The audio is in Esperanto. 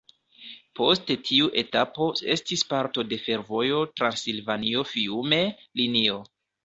Poste tiu etapo estis parto de fervojo Transilvanio-Fiume linio.